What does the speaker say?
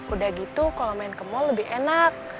udah gitu kalau main ke mall lebih enak